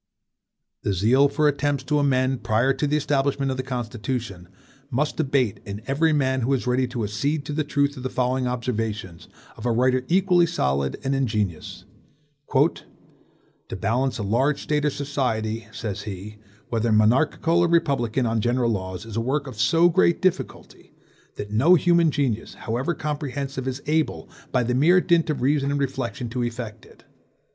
The zeal for attempts to amend, prior to the establishment of the Constitution, must abate in every man who is ready to accede to the truth of the following observations of a writer equally solid and ingenious: "To balance a large state or society (says he), whether monarchical or republican, on general laws, is a work of so great difficulty, that no human genius, however comprehensive, is able, by the mere dint of reason and reflection, to effect it.